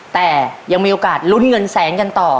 แต่ยังมีโอกาสลุ้นเงินแสนกันต่อ